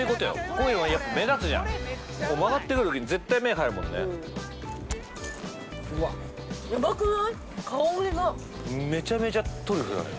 こういうのはやっぱ目立つじゃん曲がってくるときに絶対目に入るもんねめちゃめちゃトリュフだね